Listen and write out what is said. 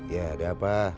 ya ada apa